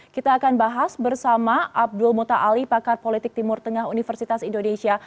kita akan bahas bersama abdul muta ali pakar politik timur tengah universitas indonesia